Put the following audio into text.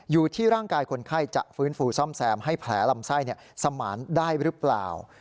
อยู่ที่ร่างกายคนไข้จะฟื้นฟูซ่อมแซมให้แผลลำไส้สมานได้หรือเปล่า